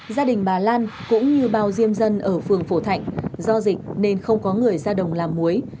gia đình bà lan cũng như bao diêm dân ở phường phổ thạnh do dịch nên không có người ra đồng làm muối